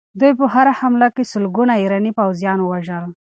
دوی په هره حمله کې سلګونه ایراني پوځیان وژل.